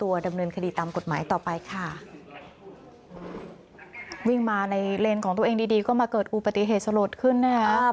วิ่งมาในเลนส์ของตัวเองดีก็มาเกิดอุปติเหตุสลดขึ้นนะครับ